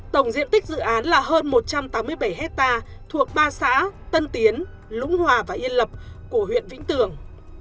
tổng diện tích dự án là hơn một trăm tám mươi bảy hectare thuộc ba xã tân tiến lũng hòa và yên lập của huyện vĩnh tường